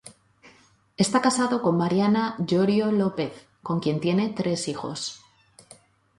Está casado con Mariana Yorio López, con quien tiene tres hijos.